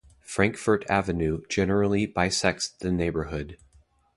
Frankfort Avenue generally bisects the neighborhood.